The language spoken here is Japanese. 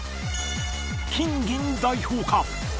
金銀財宝か？